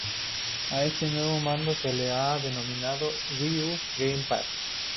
A este nuevo mando se le ha denominado: Wii U GamePad.